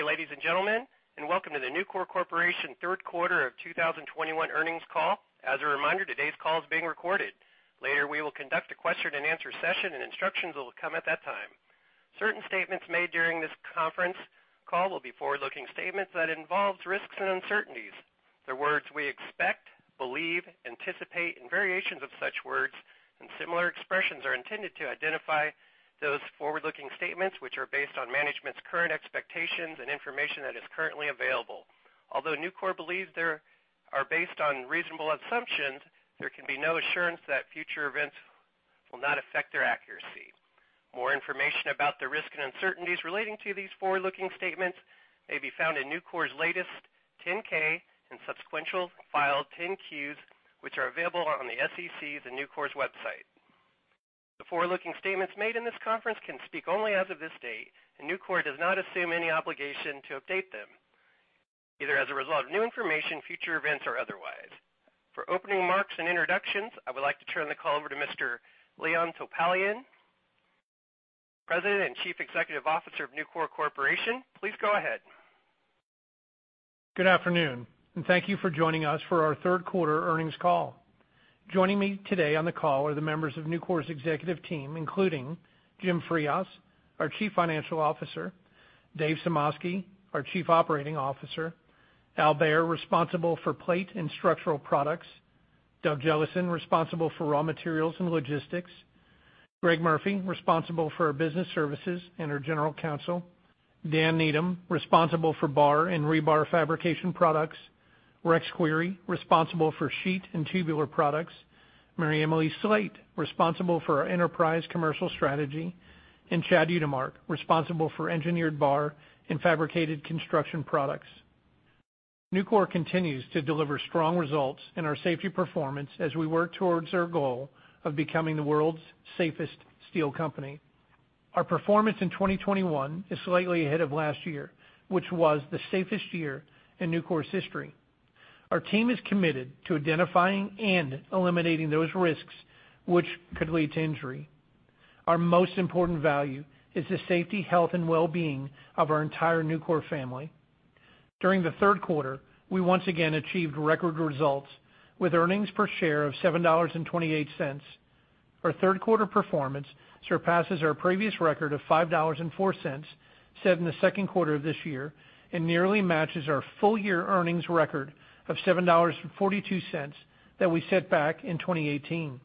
Good day, ladies and gentlemen, and welcome to the Nucor Corporation third quarter of 2021 earnings call. As a reminder, today's call is being recorded. Later, we will conduct a question and answer session, and instructions will come at that time. Certain statements made during this conference call will be forward-looking statements that involve risks and uncertainties. The words we expect, believe, anticipate, and variations of such words, and similar expressions are intended to identify those forward-looking statements, which are based on management's current expectations and information that is currently available. Although Nucor believes they are based on reasonable assumptions, there can be no assurance that future events will not affect their accuracy. More information about the risks and uncertainties relating to these forward-looking statements may be found in Nucor's latest 10-K and subsequent filed 10-Q, which are available on the SEC, the Nucor's website. The forward-looking statements made in this conference can speak only as of this date. Nucor does not assume any obligation to update them, either as a result of new information, future events, or otherwise. For opening marks and introductions, I would like to turn the call over to Mr. Leon Topalian, President and Chief Executive Officer of Nucor Corporation. Please go ahead. Good afternoon. Thank you for joining us for our third quarter earnings call. Joining me today on the call are the members of Nucor's executive team, including Jim Frias, our Chief Financial Officer, David A. Sumoski, our Chief Operating Officer, Allen Behr, responsible for plate and structural products, Doug Jellison, responsible for raw materials and logistics, Greg Murphy, responsible for our business services and our General Counsel, Dan Needham, responsible for bar and rebar fabrication products, Rex Query, responsible for sheet and tubular products, MaryEmily Slate, responsible for our enterprise commercial strategy, and Chad Utermark, responsible for engineered bar and fabricated construction products. Nucor continues to deliver strong results in our safety performance as we work towards our goal of becoming the world's safest steel company. Our performance in 2021 is slightly ahead of last year, which was the safest year in Nucor's history. Our team is committed to identifying and eliminating those risks, which could lead to injury. Our most important value is the safety, health, and well-being of our entire Nucor family. During the third quarter, we once again achieved record results with earnings per share of $7.28. Our third quarter performance surpasses our previous record of $5.04, set in the second quarter of this year, and nearly matches our full-year earnings record of $7.42 that we set back in 2018.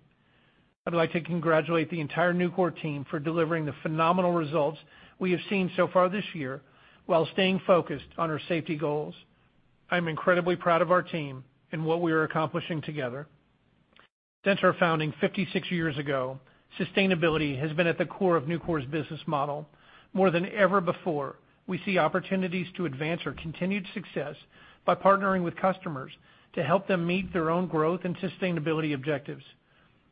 I'd like to congratulate the entire Nucor team for delivering the phenomenal results we have seen so far this year while staying focused on our safety goals. I'm incredibly proud of our team and what we are accomplishing together. Since our founding 56 years ago, sustainability has been at the core of Nucor's business model. More than ever before, we see opportunities to advance our continued success by partnering with customers to help them meet their own growth and sustainability objectives.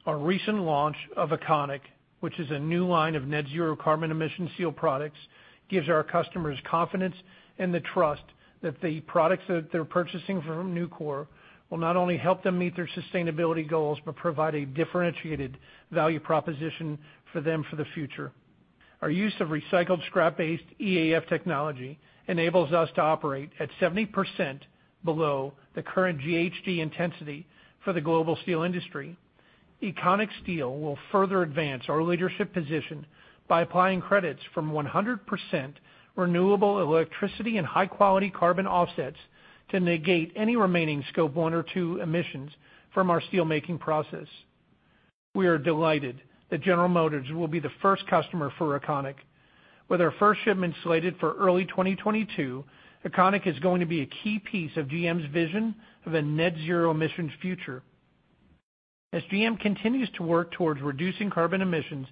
Our recent launch of Econiq, which is a new line of net zero carbon emission steel products, gives our customers confidence and the trust that the products that they're purchasing from Nucor will not only help them meet their sustainability goals, but provide a differentiated value proposition for them for the future. Our use of recycled scrap-based EAF technology enables us to operate at 70% below the current GHG intensity for the global steel industry. Econiq Steel will further advance our leadership position by applying credits from 100% renewable electricity and high-quality carbon offsets to negate any remaining Scope 1 or 2 emissions from our steelmaking process. We are delighted that General Motors will be the first customer for Econiq. With our first shipment slated for early 2022, Econiq is going to be a key piece of GM's vision of a net zero emissions future. As GM continues to work towards reducing carbon emissions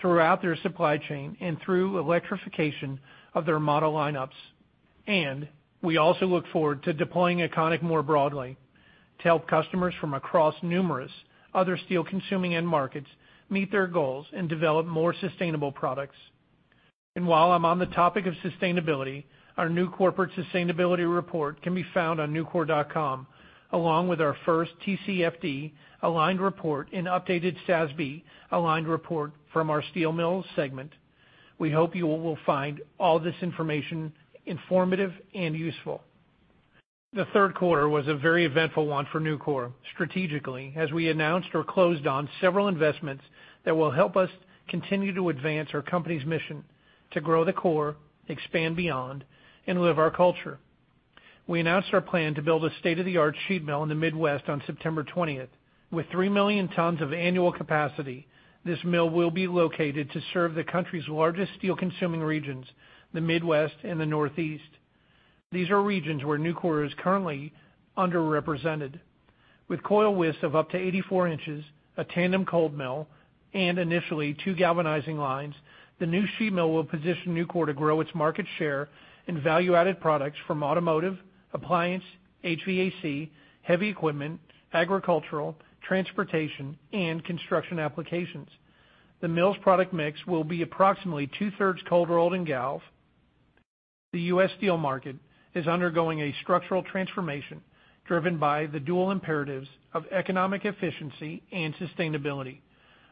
throughout their supply chain and through electrification of their model lineups. We also look forward to deploying Econiq more broadly to help customers from across numerous other steel-consuming end markets meet their goals and develop more sustainable products. While I'm on the topic of sustainability, our new corporate sustainability report can be found on nucor.com, along with our first TCFD-aligned report and updated SASB-aligned report from our steel mills segment. We hope you will find all this information informative and useful. The third quarter was a very eventful one for Nucor. Strategically, as we announced or closed on several investments that will help us continue to advance our company's mission to grow the core, expand beyond, and live our culture. We announced our plan to build a state-of-the-art sheet mill in the Midwest on September 20th. With 3 million tons of annual capacity, this mill will be located to serve the country's largest steel-consuming regions, the Midwest and the Northeast. These are regions where Nucor is currently underrepresented. With coil widths of up to 84 in, a tandem cold mill, and initially two galvanizing lines, the new sheet mill will position Nucor to grow its market share in value-added products from automotive, appliance, HVAC, heavy equipment, agricultural, transportation, and construction applications. The mill's product mix will be approximately 2/3 cold rolled and galv. The U.S. steel market is undergoing a structural transformation driven by the dual imperatives of economic efficiency and sustainability.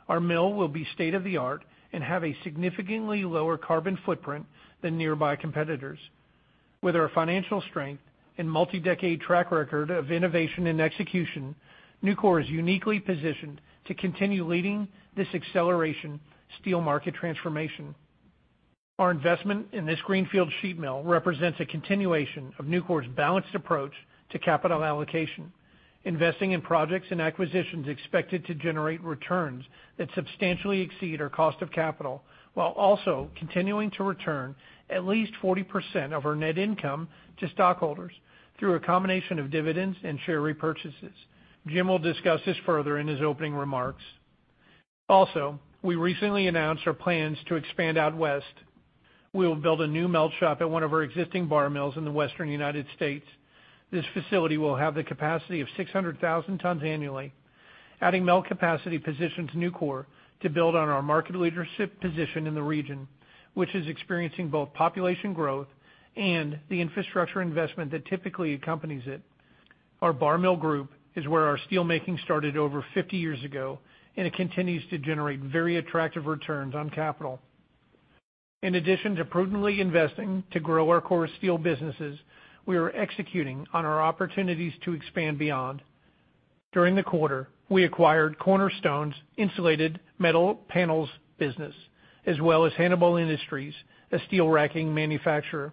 Our mill will be state-of-the-art and have a significantly lower carbon footprint than nearby competitors. With our financial strength and multi-decade track record of innovation and execution, Nucor is uniquely positioned to continue leading this acceleration steel market transformation. Our investment in this greenfield sheet mill represents a continuation of Nucor's balanced approach to capital allocation, investing in projects and acquisitions expected to generate returns that substantially exceed our cost of capital, while also continuing to return at least 40% of our net income to stockholders through a combination of dividends and share repurchases. Jim will discuss this further in his opening remarks. We recently announced our plans to expand out west. We will build a new melt shop at one of our existing bar mills in the Western U.S. This facility will have the capacity of 600,000 tons annually. Adding melt capacity positions Nucor to build on our market leadership position in the region, which is experiencing both population growth and the infrastructure investment that typically accompanies it. Our bar mill group is where our steel making started over 50 years ago, and it continues to generate very attractive returns on capital. In addition to prudently investing to grow our core steel businesses, we are executing on our opportunities to expand beyond. During the quarter, we acquired Cornerstone's insulated metal panels business, as well as Hannibal Industries, a steel racking manufacturer.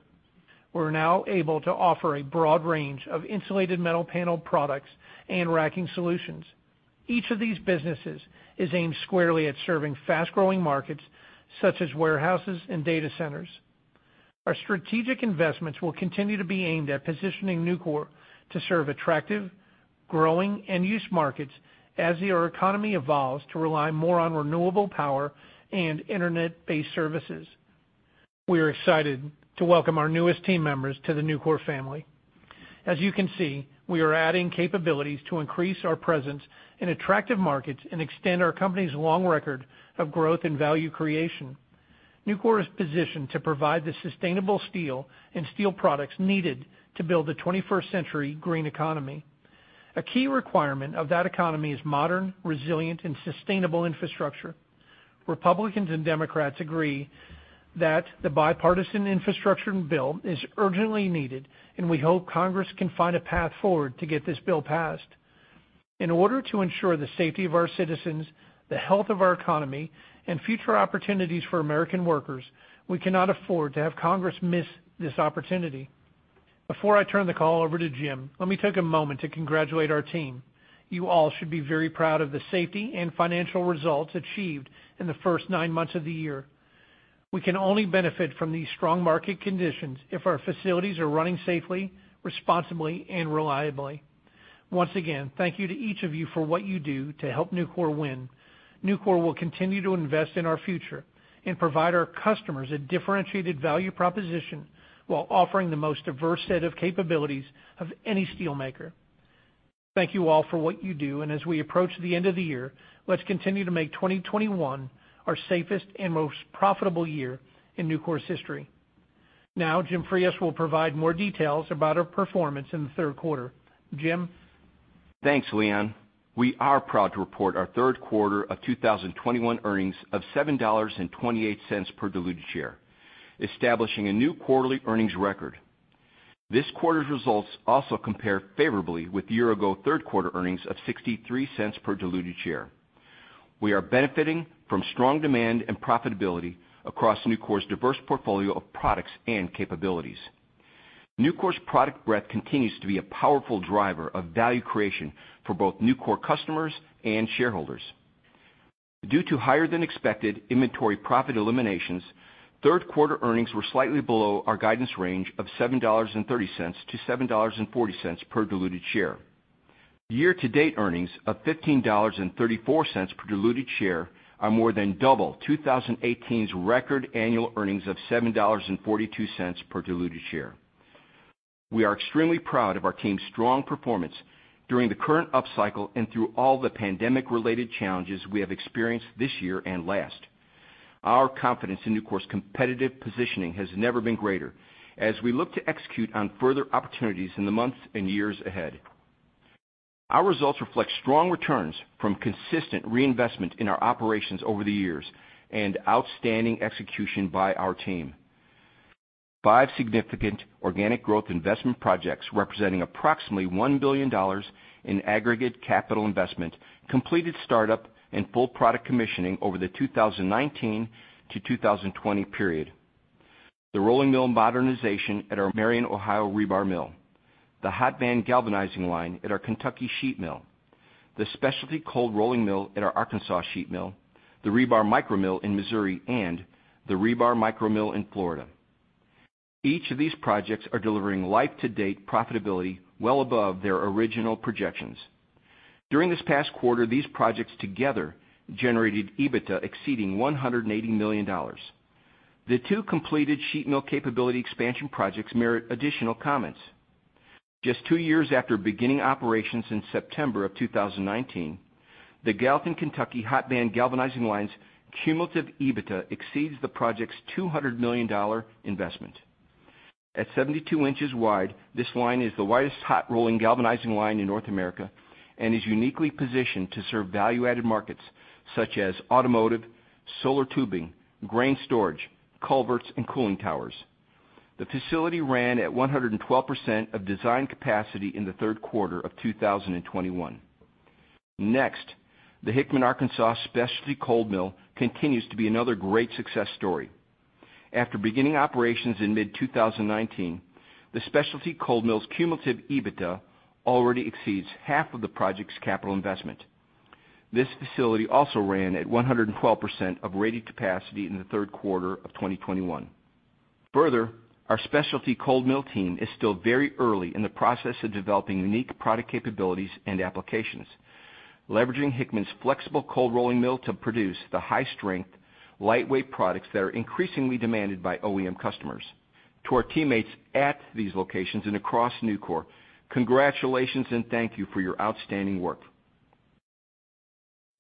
We're now able to offer a broad range of insulated metal panel products and racking solutions. Each of these businesses is aimed squarely at serving fast-growing markets such as warehouses and data centers. Our strategic investments will continue to be aimed at positioning Nucor to serve attractive, growing, end-use markets as our economy evolves to rely more on renewable power and internet-based services. We are excited to welcome our newest team members to the Nucor family. As you can see, we are adding capabilities to increase our presence in attractive markets and extend our company's long record of growth and value creation. Nucor is positioned to provide the sustainable steel and steel products needed to build the 21st century green economy. A key requirement of that economy is modern, resilient, and sustainable infrastructure. Republicans and Democrats agree that the bipartisan infrastructure bill is urgently needed, and we hope Congress can find a path forward to get this bill passed. In order to ensure the safety of our citizens, the health of our economy, and future opportunities for American workers, we cannot afford to have Congress miss this opportunity. Before I turn the call over to Jim, let me take a moment to congratulate our team. You all should be very proud of the safety and financial results achieved in the first nine months of the year. We can only benefit from these strong market conditions if our facilities are running safely, responsibly, and reliably. Once again, thank you to each of you for what you do to help Nucor win. Nucor will continue to invest in our future and provide our customers a differentiated value proposition while offering the most diverse set of capabilities of any steelmaker. Thank you all for what you do, and as we approach the end of the year, let's continue to make 2021 our safest and most profitable year in Nucor's history. Now, Jim Frias will provide more details about our performance in the third quarter. Jim? Thanks, Leon. We are proud to report our third quarter of 2021 earnings of $7.28 per diluted share, establishing a new quarterly earnings record. This quarter's results also compare favorably with year-ago third quarter earnings of $0.63 per diluted share. We are benefiting from strong demand and profitability across Nucor's diverse portfolio of products and capabilities. Nucor's product breadth continues to be a powerful driver of value creation for both Nucor customers and shareholders. Due to higher-than-expected inventory profit eliminations, third quarter earnings were slightly below our guidance range of $7.30-$7.40 per diluted share. Year-to-date earnings of $15.34 per diluted share are more than double 2018's record annual earnings of $7.42 per diluted share. We are extremely proud of our team's strong performance during the current upcycle and through all the pandemic-related challenges we have experienced this year and last. Our confidence in Nucor's competitive positioning has never been greater as we look to execute on further opportunities in the months and years ahead. Our results reflect strong returns from consistent reinvestment in our operations over the years and outstanding execution by our team. Five significant organic growth investment projects, representing approximately $1 billion in aggregate capital investment, completed startup and full product commissioning over the 2019-2020 period. The rolling mill modernization at our Marion, Ohio, rebar mill, the hot band galvanizing line at our Kentucky sheet mill, the specialty cold rolling mill at our Arkansas sheet mill, the rebar micro-mill in Missouri, and the rebar micro-mill in Florida. Each of these projects are delivering life-to-date profitability well above their original projections. During this past quarter, these projects together generated EBITDA exceeding $180 million. The two completed sheet mill capability expansion projects merit additional comments. Just two years after beginning operations in September 2019, the Gallatin, Kentucky hot band galvanizing line's cumulative EBITDA exceeds the project's $200 million investment. At 72 in wide, this line is the widest hot rolling galvanizing line in North America and is uniquely positioned to serve value-added markets such as automotive, solar tubing, grain storage, culverts, and cooling towers. The facility ran at 112% of design capacity in the third quarter of 2021. Next, the Hickman, Arkansas specialty cold mill continues to be another great success story. After beginning operations in mid-2019, the specialty cold mill's cumulative EBITDA already exceeds half of the project's capital investment. This facility also ran at 112% of rated capacity in the third quarter of 2021. Further, our specialty cold mill team is still very early in the process of developing unique product capabilities and applications, leveraging Hickman's flexible cold rolling mill to produce the high-strength, lightweight products that are increasingly demanded by OEM customers. To our teammates at these locations and across Nucor, congratulations and thank you for your outstanding work.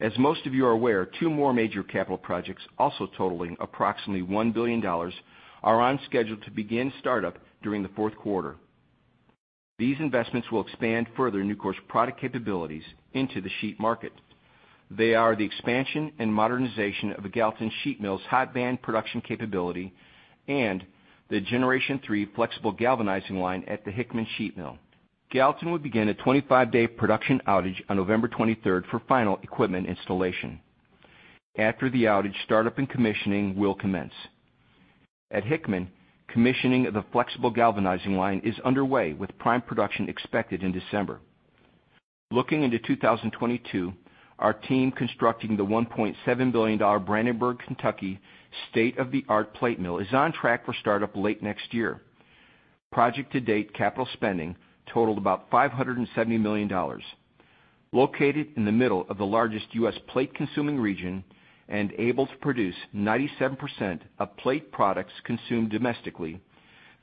As most of you are aware, two more major capital projects, also totaling approximately $1 billion, are on schedule to begin startup during the fourth quarter. These investments will expand further Nucor's product capabilities into the sheet market. They are the expansion and modernization of the Gallatin sheet mill's hot band production capability and the Generation 3 flexible galvanizing line at the Hickman sheet mill. Gallatin will begin a 25-day production outage on November 23rd for final equipment installation. After the outage, startup and commissioning will commence. At Hickman, commissioning of the flexible galvanizing line is underway, with prime production expected in December. Looking into 2022, our team constructing the $1.7 billion Brandenburg, Kentucky state-of-the-art plate mill is on track for startup late next year. Project to date capital spending totaled about $570 million. Located in the middle of the largest U.S. plate-consuming region and able to produce 97% of plate products consumed domestically,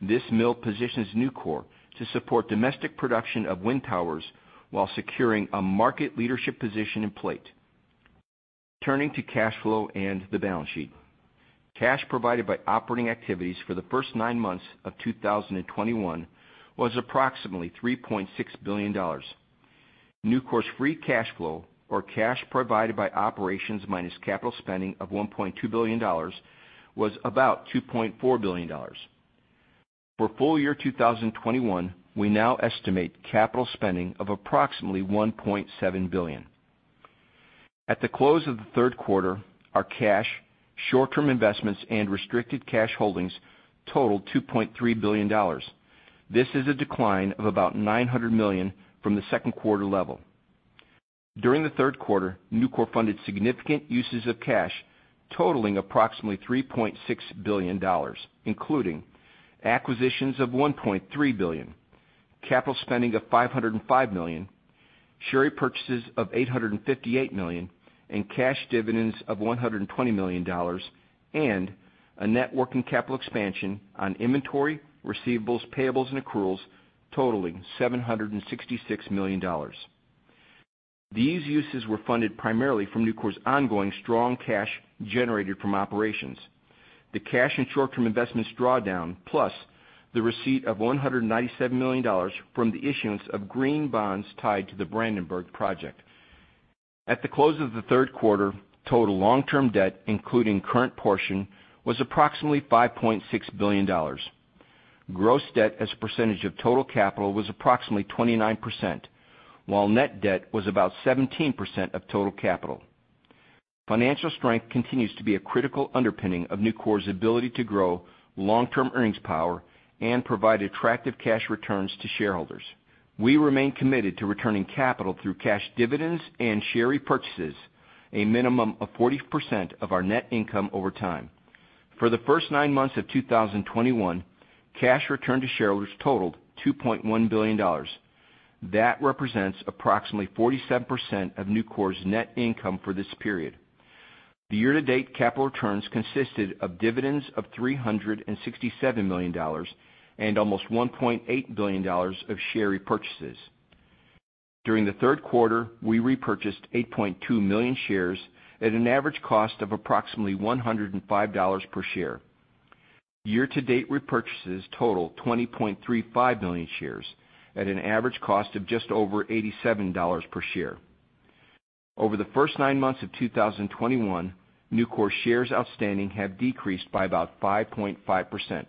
this mill positions Nucor to support domestic production of wind towers while securing a market leadership position in plate. Turning to cash flow and the balance sheet. Cash provided by operating activities for the first nine months of 2021 was approximately $3.6 billion. Nucor's free cash flow, or cash provided by operations minus capital spending of $1.2 billion, was about $2.4 billion. For full year 2021, we now estimate capital spending of approximately $1.7 billion. At the close of the third quarter, our cash, short-term investments, and restricted cash holdings totaled $2.3 billion. This is a decline of about $900 million from the second quarter level. During the third quarter, Nucor funded significant uses of cash totaling approximately $3.6 billion, including acquisitions of $1.3 billion, capital spending of $505 million, share repurchases of $858 million, and cash dividends of $120 million, and a net working capital expansion on inventory, receivables, payables, and accruals totaling $766 million. These uses were funded primarily from Nucor's ongoing strong cash generated from operations, the cash and short-term investments drawdown, plus the receipt of $197 million from the issuance of green bonds tied to the Brandenburg project. At the close of the third quarter, total long-term debt, including current portion, was approximately $5.6 billion. Gross debt as a percentage of total capital was approximately 29%, while net debt was about 17% of total capital. Financial strength continues to be a critical underpinning of Nucor's ability to grow long-term earnings power and provide attractive cash returns to shareholders. We remain committed to returning capital through cash dividends and share repurchases, a minimum of 40% of our net income over time. For the first nine months of 2021, cash returned to shareholders totaled $2.1 billion. That represents approximately 47% of Nucor's net income for this period. The year-to-date capital returns consisted of dividends of $367 million and almost $1.8 billion of share repurchases. During the third quarter, we repurchased 8.2 million shares at an average cost of approximately $105 per share. Year-to-date repurchases total 20.35 million shares at an average cost of just over $87 per share. Over the first nine months of 2021, Nucor shares outstanding have decreased by about 5.5%.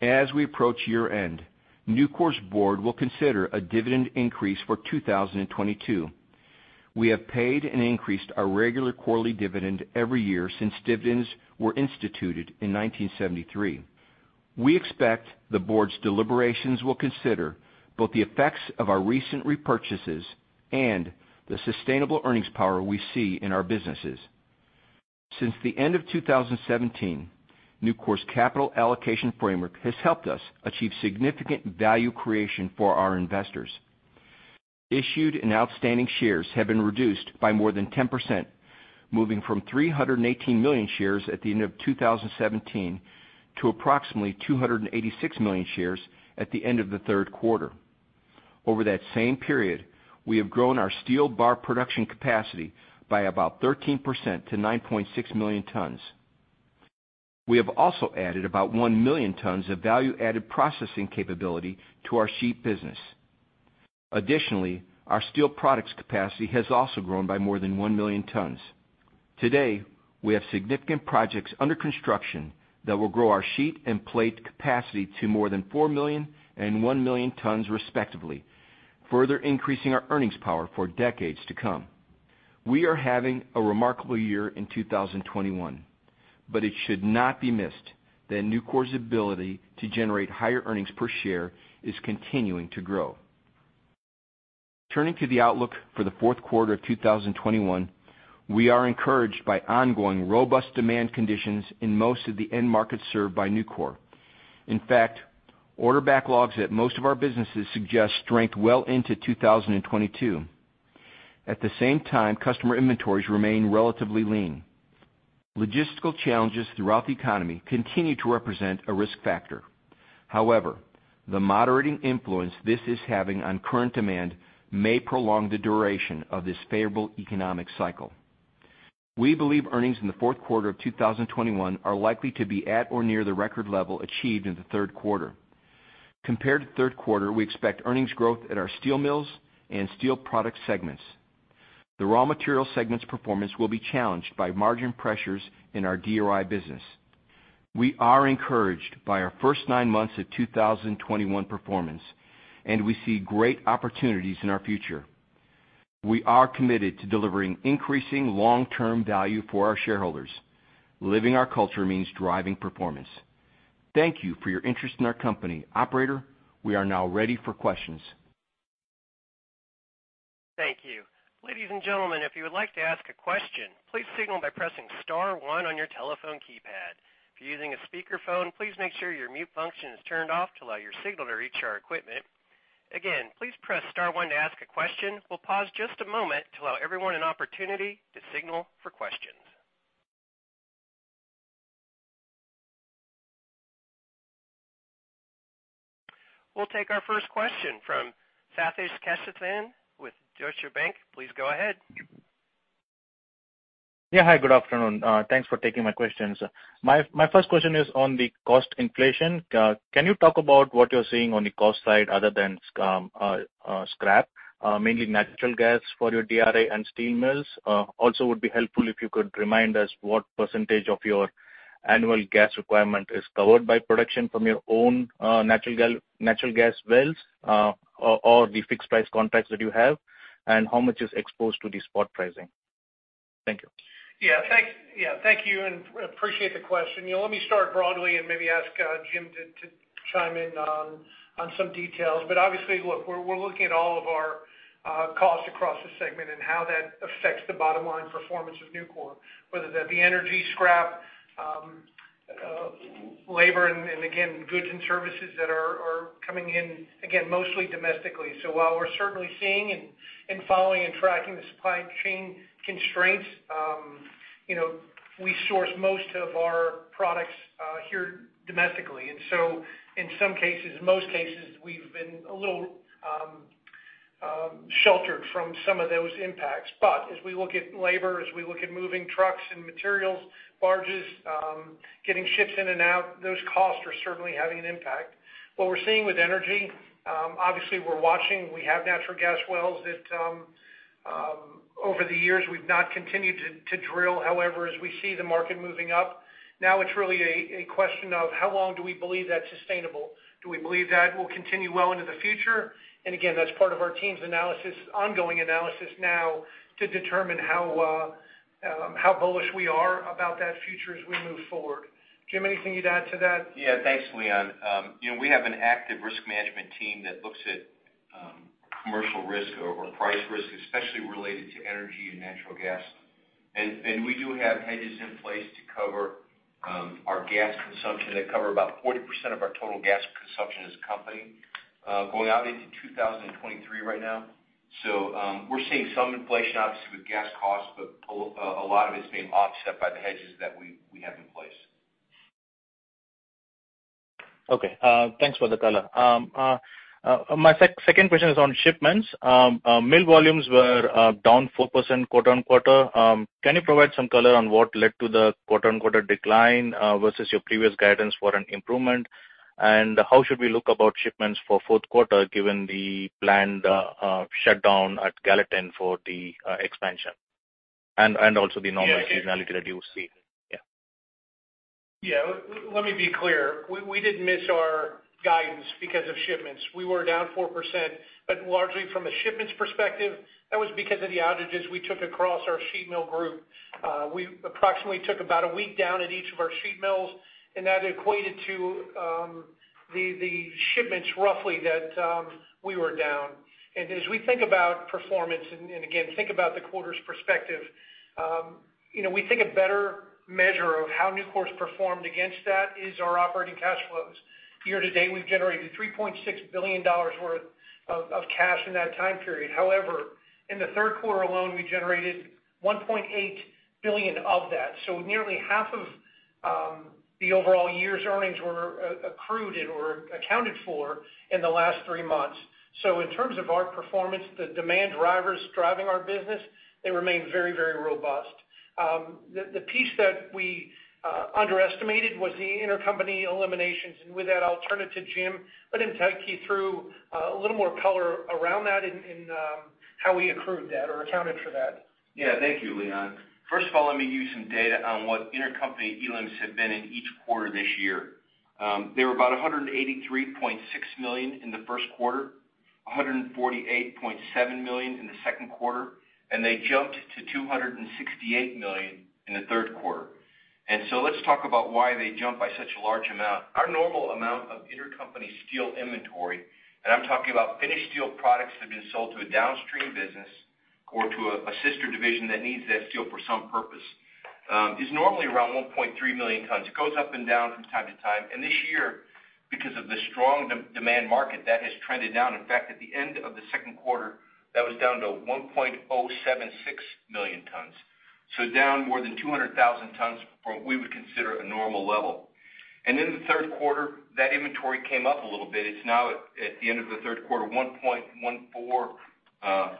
As we approach year-end, Nucor's board will consider a dividend increase for 2022. We have paid and increased our regular quarterly dividend every year since dividends were instituted in 1973. We expect the board's deliberations will consider both the effects of our recent repurchases and the sustainable earnings power we see in our businesses. Since the end of 2017, Nucor's capital allocation framework has helped us achieve significant value creation for our investors. Issued and outstanding shares have been reduced by more than 10%, moving from 318 million shares at the end of 2017 to approximately 286 million shares at the end of the third quarter. Over that same period, we have grown our steel bar production capacity by about 13% to 9.6 million tons. We have also added about 1 million tons of value-added processing capability to our sheet business. Additionally, our steel products capacity has also grown by more than 1 million tons. Today, we have significant projects under construction that will grow our sheet and plate capacity to more than 4 million and 1 million tons respectively, further increasing our earnings power for decades to come. We are having a remarkable year in 2021, but it should not be missed that Nucor's ability to generate higher earnings per share is continuing to grow. Turning to the outlook for the fourth quarter of 2021, we are encouraged by ongoing robust demand conditions in most of the end markets served by Nucor. In fact, order backlogs at most of our businesses suggest strength well into 2022. At the same time, customer inventories remain relatively lean. Logistical challenges throughout the economy continue to represent a risk factor. However, the moderating influence this is having on current demand may prolong the duration of this favorable economic cycle. We believe earnings in the fourth quarter of 2021 are likely to be at or near the record level achieved in the third quarter. Compared to third quarter, we expect earnings growth at our steel mills and steel products segments. The raw material segment's performance will be challenged by margin pressures in our DRI business. We are encouraged by our first nine months of 2021 performance, and we see great opportunities in our future. We are committed to delivering increasing long-term value for our shareholders. Living our culture means driving performance. Thank you for your interest in our company. Operator, we are now ready for questions. Thank you. Ladies and gentlemen, if you would like to ask a question, please signal by pressing star one on your telephone keypad. If you're using a speakerphone, please make sure your mute function is turned off to allow your signal to reach our equipment. Again, please press star one to ask a question. We'll pause just a moment to allow everyone an opportunity to signal for questions. We'll take our first question from Sathish Kasinathan with Deutsche Bank. Please go ahead. Yeah, hi. Good afternoon. Thanks for taking my questions. My first question is on the cost inflation. Can you talk about what you're seeing on the cost side other than scrap, mainly natural gas for your DRI and steel mills? Also would be helpful if you could remind us what percentage of your annual gas requirement is covered by production from your own natural gas wells or the fixed price contracts that you have, and how much is exposed to the spot pricing? Thank you. Yeah. Thank you, and appreciate the question. Let me start broadly and maybe ask Jim to chime in on some details. Obviously, look, we're looking at all of our costs across the segment and how that affects the bottom line performance of Nucor, whether that be energy, scrap, labor, and again, goods and services that are coming in, again, mostly domestically. In some cases, most cases, we've been a little sheltered from some of those impacts. As we look at labor, as we look at moving trucks and materials, barges, getting ships in and out, those costs are certainly having an impact. What we're seeing with energy, obviously we're watching. We have natural gas wells that over the years we've not continued to drill. As we see the market moving up, now it's really a question of how long do we believe that's sustainable? Do we believe that will continue well into the future? Again, that's part of our team's ongoing analysis now to determine how bullish we are about that future as we move forward. Jim, anything you'd add to that? Yeah. Thanks, Leon. We have an active risk management team that looks at commercial risk or price risk, especially related to energy and natural gas. We do have hedges in place to cover our gas consumption, that cover about 40% of our total gas consumption as a company, going out into 2023 right now. We're seeing some inflation, obviously, with gas costs, but a lot of it's being offset by the hedges that we have in place. Okay. Thanks for the color. My second question is on shipments. Mill volumes were down 4% quarter-on-quarter. Can you provide some color on what led to the quarter-on-quarter decline versus your previous guidance for an improvement? How should we look about shipments for fourth quarter given the planned shutdown at Gallatin for the expansion and also the normal seasonality that you see? Yeah. Yeah. Let me be clear. We didn't miss our guidance because of shipments. We were down 4%. Largely from a shipments perspective, that was because of the outages we took across our sheet mill group. We approximately took about a week down at each of our sheet mills. That equated to the shipments roughly that we were down. As we think about performance, and again, think about the quarter's perspective, we think a better measure of how Nucor's performed against that is our operating cash flows. Year-to-date, we've generated $3.6 billion worth of cash in that time period. In the third quarter alone, we generated $1.8 billion of that. Nearly half of the overall year's earnings were accrued or accounted for in the last three months. In terms of our performance, the demand drivers driving our business, they remain very robust. The piece that we underestimated was the intercompany eliminations, and with that, I'll turn it to Jim, let him take you through a little more color around that and how we accrued that or accounted for that. Yeah. Thank you, Leon. First of all, let me give you some data on what intercompany elims have been in each quarter this year. They were about $183.6 million in the first quarter, $148.7 million in the second quarter, and they jumped to $268 million in the third quarter. Let's talk about why they jumped by such a large amount. Our normal amount of intercompany steel inventory, and I'm talking about finished steel products that have been sold to a downstream business or to a sister division that needs that steel for some purpose, is normally around 1.3 million tons. It goes up and down from time to time. This year, because of the strong demand market, that has trended down. In fact, at the end of the second quarter, that was down to 1.076 million tons. Down more than 200,000 tons from what we would consider a normal level. In the third quarter, that inventory came up a little bit. It's now at the end of the third quarter, 1.14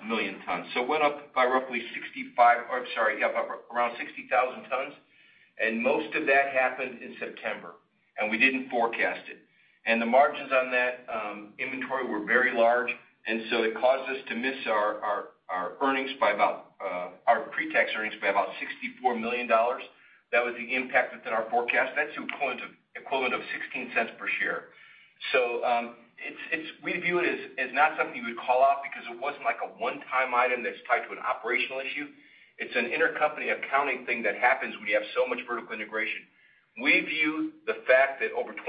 million tons. It went up by roughly 60,000 tons. Most of that happened in September, and we didn't forecast it. The margins on that inventory were very large, and so it caused us to miss our pre-tax earnings by about $64 million. That was the impact within our forecast. That's equivalent of $0.16 per share. We view it as not something you would call out because it wasn't like a one-time item that's tied to an operational issue. It's an intercompany accounting thing that happens when you have so much vertical integration. We view the fact that over 20%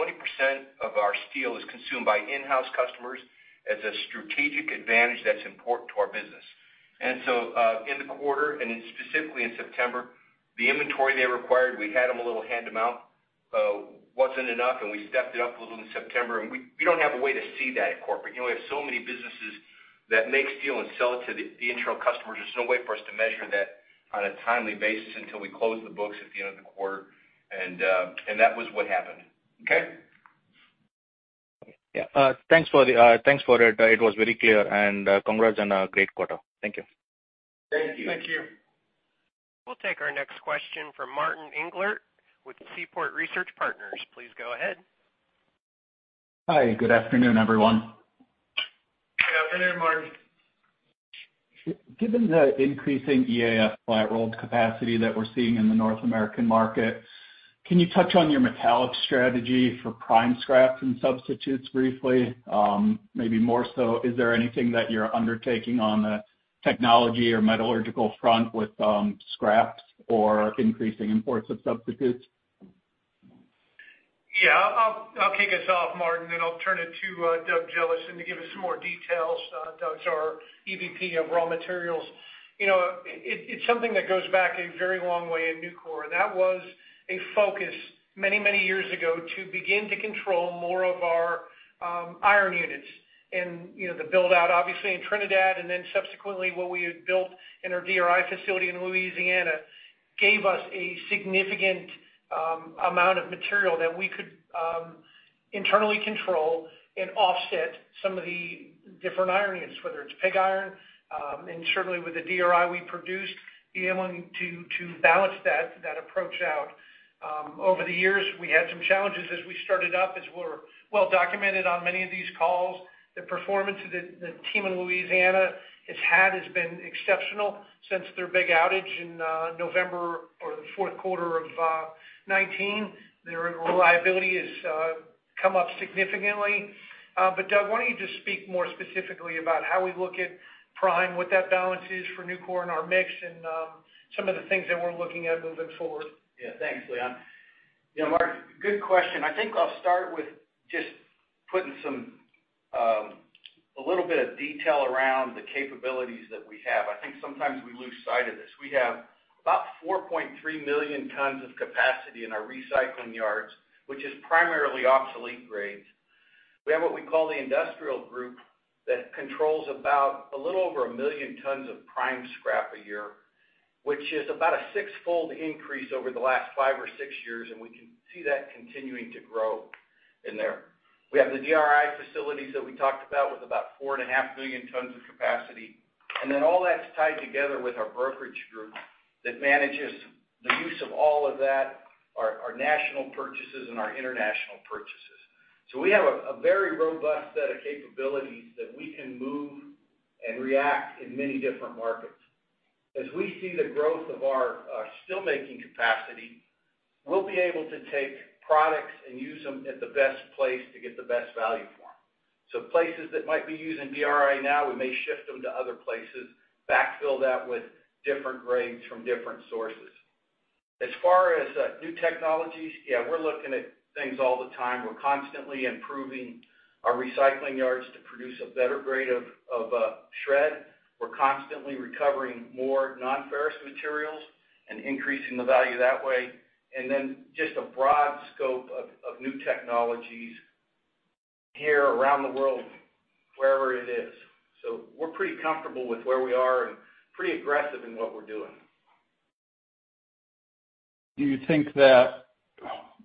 of our steel is consumed by in-house customers as a strategic advantage that's important to our business. In the quarter, specifically in September, the inventory they required, we had them a little hand amount, wasn't enough, we stepped it up a little in September. We don't have a way to see that at corporate. We have so many businesses that make steel and sell it to the internal customers. There's no way for us to measure that on a timely basis until we close the books at the end of the quarter. That was what happened. Okay? Yeah. Thanks for it. It was very clear. Congrats on a great quarter. Thank you. Thank you. Thank you. We'll take our next question from Martin Englert with Seaport Research Partners. Please go ahead. Hi. Good afternoon, everyone. Good afternoon, Martin. Given the increasing EAF flat rolled capacity that we're seeing in the North American market, can you touch on your metallic strategy for prime scrap and substitutes briefly? Maybe more so, is there anything that you're undertaking on the technology or metallurgical front with scraps or increasing imports of substitutes? Yeah. I'll kick us off, Martin, then I'll turn it to Doug Jellison to give us some more details. Doug's our EVP of Raw Materials. It's something that goes back a very long way in Nucor. That was a focus many years ago to begin to control more of our iron units. The build-out, obviously in Trinidad, and then subsequently what we had built in our DRI facility in Louisiana, gave us a significant amount of material that we could internally control and offset some of the different iron units, whether it's pig iron. Certainly with the DRI we produced, being able to balance that approach out. Over the years, we had some challenges as we started up, as we're well documented on many of these calls. The performance the team in Louisiana has had has been exceptional since their big outage in November or the fourth quarter of 2019. Their reliability has come up significantly. Doug, why don't you just speak more specifically about how we look at prime, what that balance is for Nucor and our mix, and some of the things that we're looking at moving forward? Yeah. Thanks, Leon. Yeah, Martin, good question. I think I'll start with just putting a little bit of detail around the capabilities that we have. I think sometimes we lose sight of this. We have about 4.3 million tons of capacity in our recycling yards, which is primarily obsolete grades. We have what we call the industrial group that controls about a little over 1 million tons of prime scrap a year, which is about a sixfold increase over the last five or six years, and we can see that continuing to grow in there. We have the DRI facilities that we talked about with about 4.5 million tons of capacity. All that's tied together with our brokerage group that manages the use of all of that, our national purchases, and our international purchases. We have a very robust set of capabilities that we can move and react in many different markets. As we see the growth of our steel making capacity, we will be able to take products and use them at the best place to get the best value for them. Places that might be using DRI now, we may shift them to other places, backfill that with different grades from different sources. As far as new technologies, yeah, we are looking at things all the time. We are constantly improving our recycling yards to produce a better grade of shred. We're constantly recovering more non-ferrous materials and increasing the value that way. Then just a broad scope of new technologies here around the world, wherever it is. We're pretty comfortable with where we are and pretty aggressive in what we're doing. Do you think that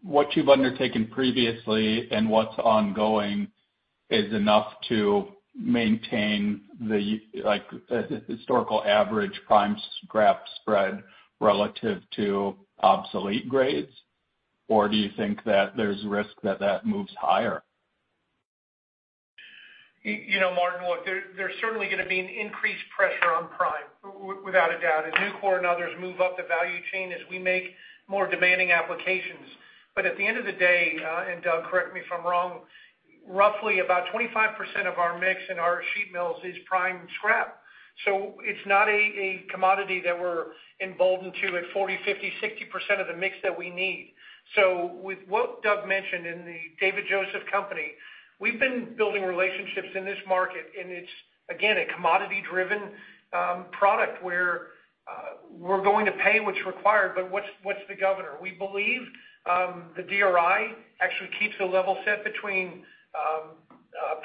what you've undertaken previously and what's ongoing is enough to maintain the historical average prime scrap spread relative to obsolete grades? Do you think that there's risk that that moves higher? Martin, look, there's certainly going to be an increased pressure on prime, without a doubt, as Nucor and others move up the value chain as we make more demanding applications. At the end of the day, and Doug, correct me if I'm wrong, roughly about 25% of our mix in our sheet mills is prime scrap. It's not a commodity that we're emboldened to at 40%, 50%, 60% of the mix that we need. With what Doug mentioned in the David Joseph Company, we've been building relationships in this market, and it's, again, a commodity-driven product where we're going to pay what's required. What's the governor? We believe the DRI actually keeps the level set between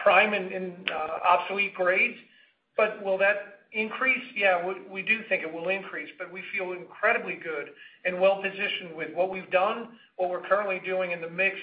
prime and obsolete grades. Will that increase? Yeah, we do think it will increase, we feel incredibly good and well-positioned with what we've done, what we're currently doing in the mix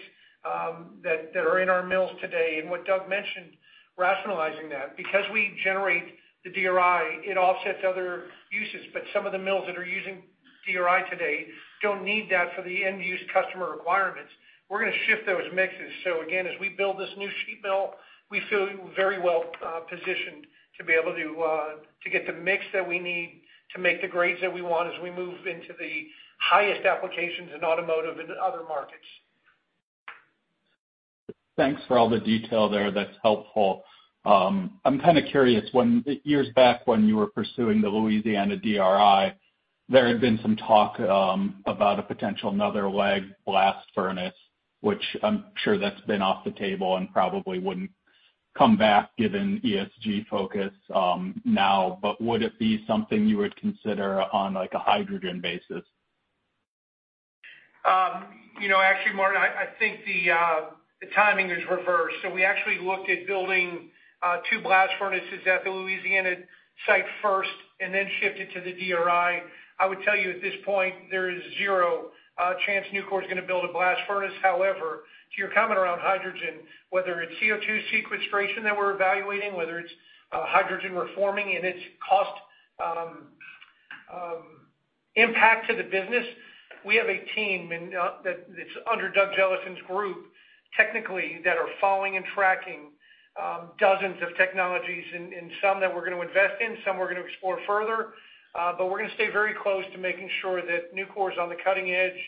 that are in our mills today. What Doug mentioned, rationalizing that because we generate the DRI, it offsets other uses, but some of the mills that are using DRI today don't need that for the end-use customer requirements. We're going to shift those mixes. Again, as we build this new sheet mill, we feel very well-positioned to be able to get the mix that we need to make the grades that we want as we move into the highest applications in automotive and other markets. Thanks for all the detail there. That's helpful. I'm kind of curious, years back when you were pursuing the Louisiana DRI, there had been some talk about a potential another leg blast furnace, which I'm sure that's been off the table and probably wouldn't come back given ESG focus now. Would it be something you would consider on a hydrogen basis? Actually, Martin, I think the timing is reversed. We actually looked at building two blast furnaces at the Louisiana site first and then shifted to the DRI. I would tell you at this point, there is zero chance Nucor is going to build a blast furnace. However, to your comment around hydrogen, whether it's CO2 sequestration that we're evaluating, whether it's hydrogen reforming in its cost impact to the business, we have a team that's under Doug Jellison's group, technically, that are following and tracking dozens of technologies and some that we're going to invest in, some we're going to explore further. We're going to stay very close to making sure that Nucor is on the cutting edge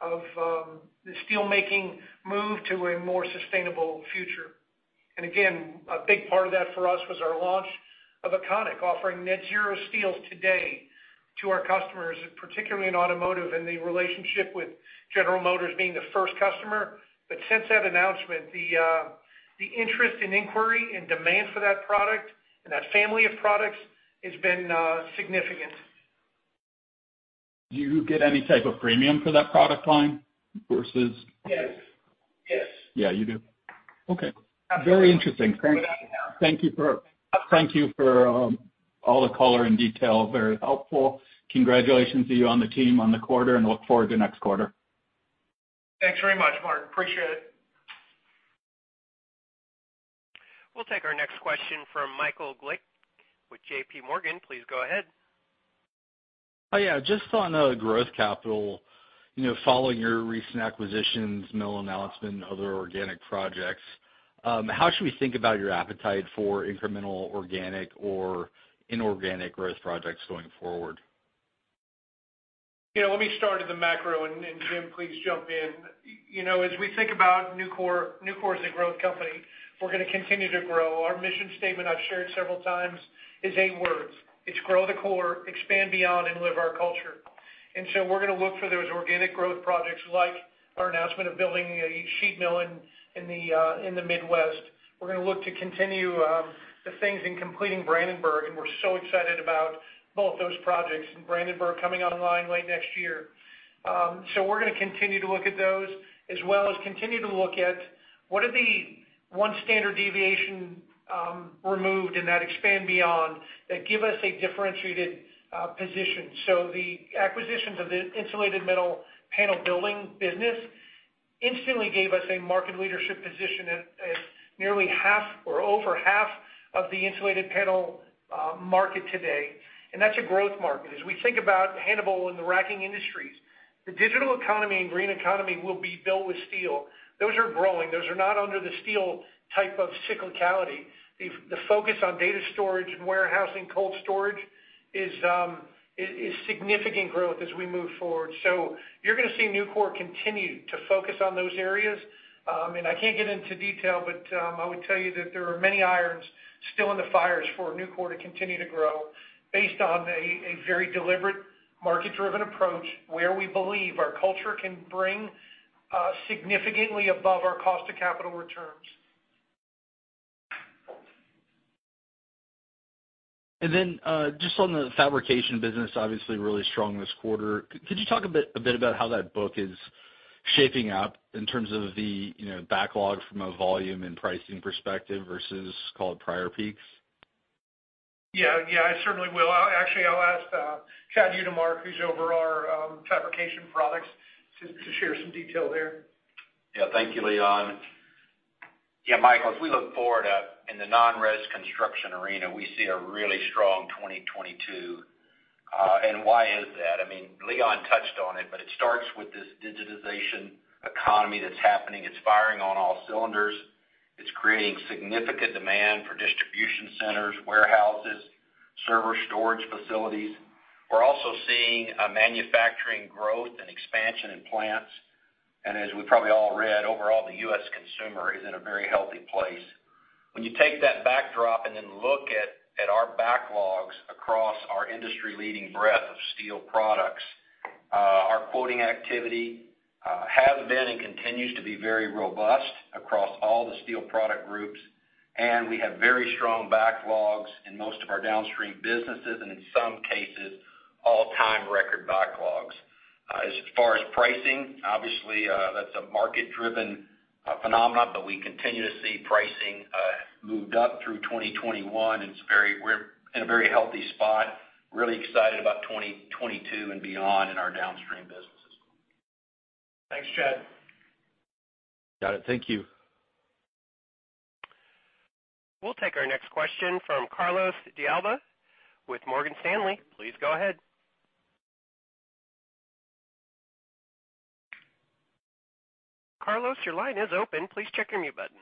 of the steel-making move to a more sustainable future. Again, a big part of that for us was our launch of Econiq, offering net-zero steels today to our customers, particularly in automotive and the relationship with General Motors being the first customer. Since that announcement, the interest and inquiry and demand for that product and that family of products has been significant. Do you get any type of premium for that product line versus- Yes. You do? Okay. Very interesting. Thank you for all the color and detail. Very helpful. Congratulations to you on the team on the quarter, and look forward to next quarter. Thanks very much, Martin. Appreciate it. We'll take our next question from Michael Glick with JPMorgan. Please go ahead. Just on the growth capital, following your recent acquisitions, mill announcement, and other organic projects, how should we think about your appetite for incremental organic or inorganic growth projects going forward? Let me start at the macro, Jim, please jump in. As we think about Nucor is a growth company. We're going to continue to grow. Our mission statement I've shared several times is eight words. It's grow the core, expand beyond, and live our culture. We're going to look for those organic growth projects like our announcement of building a sheet mill in the Midwest. We're going to look to continue the things in completing Brandenburg, and we're so excited about both those projects and Brandenburg coming online late next year. We're going to continue to look at those as well as continue to look at what are the one standard deviation removed in that expand beyond that give us a differentiated position. The acquisitions of the insulated metal panels business instantly gave us a market leadership position at nearly 0.5 or over 0.5 of the insulated panel market today. That's a growth market. As we think about Hannibal and the racking industries, the digital economy and green economy will be built with steel. Those are growing. Those are not under the steel type of cyclicality. The focus on data storage and warehousing cold storage is significant growth as we move forward. You're going to see Nucor continue to focus on those areas. I can't get into detail, but I would tell you that there are many irons still in the fires for Nucor to continue to grow based on a very deliberate market-driven approach where we believe our culture can bring significantly above our cost of capital returns. Just on the fabrication business, obviously really strong this quarter. Could you talk a bit about how that book is shaping up in terms of the backlog from a volume and pricing perspective versus call it prior peaks? Yeah, I certainly will. Actually, I'll ask Chad Utermark, who's over our Fabricated Construction Products, to share some detail there. Yeah. Thank you, Leon. Yeah, Michael, as we look forward in the non-res construction arena, we see a really strong 2022. Why is that? Leon touched on it. It starts with this digitization economy that's happening. It's firing on all cylinders. It's creating significant demand for distribution centers, warehouses, server storage facilities. We're also seeing a manufacturing growth and expansion in plants. As we probably all read, overall, the U.S. consumer is in a very healthy place. When you take that backdrop and then look at our backlogs across our industry-leading breadth of steel products, our quoting activity has been and continues to be very robust across all the steel product groups. We have very strong backlogs in most of our downstream businesses, and in some cases, all-time record backlogs. As far as pricing, obviously, that is a market-driven phenomenon, but we continue to see pricing moved up through 2021, and we are in a very healthy spot. We are really excited about 2022 and beyond in our downstream businesses. Thanks, Chad. Got it. Thank you. We'll take our next question from Carlos de Alba with Morgan Stanley. Please go ahead. Carlos, your line is open. Please check your mute button.